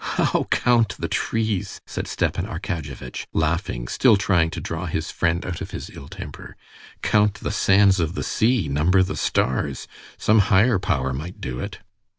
"How count the trees?" said Stepan Arkadyevitch, laughing, still trying to draw his friend out of his ill temper. "Count the sands of the sea, number the stars. Some higher power might do it."